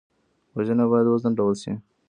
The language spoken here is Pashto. وژنه باید وځنډول شي